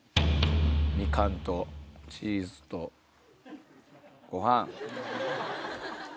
みかんとチーズとご飯。